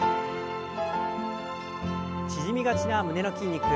縮みがちな胸の筋肉。